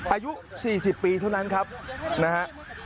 อายุ๔๐ปีเท่านั้นครับนะฮะ